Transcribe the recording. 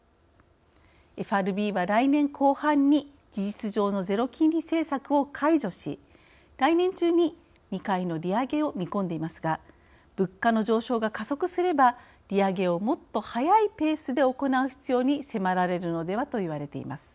ＦＲＢは来年後半に事実上のゼロ金利政策を解除し来年中に２回の利上げを見込んでいますが物価の上昇が加速すれば利上げをもっと速いペースで行う必要に迫られるのでは？といわれています。